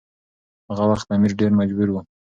هغه وخت امیر ډیر مجبور و.